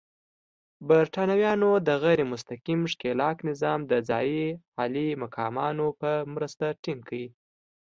برېټانویانو د غیر مستقیم ښکېلاک نظام د ځايي عالي مقامانو په مرسته ټینګ کړ.